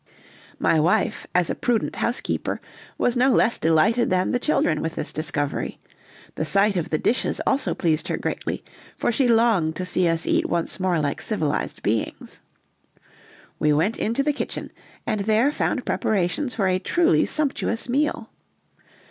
My wife, as a prudent housekeeper, was no less delighted than the children with this discovery; the sight of the dishes also pleased her greatly, for she longed to see us eat once more like civilized beings. We went into the kitchen and there found preparations for a truly sumptuous meal.